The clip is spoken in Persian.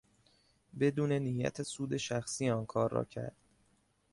بدون نیت سود شخصی آن کار را کرد.